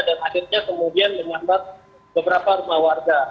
dan akhirnya kemudian menyampat beberapa rumah warga